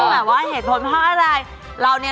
มีเหตุผลเพราะอะไร